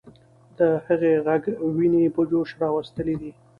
د هغې ږغ ويني په جوش راوستلې دي.